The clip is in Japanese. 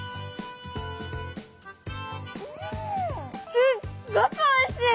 すっごくおいしい！